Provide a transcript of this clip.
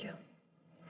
minum pelan pelan tante